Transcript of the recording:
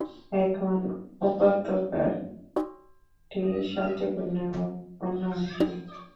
এখন উপত্যকাটি শান্তিপূর্ণ এবং উন্নয়নশীল।